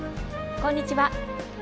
こんにちは。